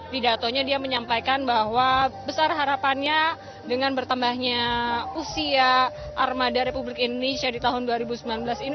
didatonya dia menyampaikan bahwa besar harapannya dengan bertambahnya usia armada republik indonesia di tahun dua ribu sembilan belas ini